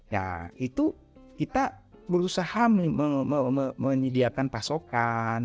ya itu kita berusaha menyediakan pasokan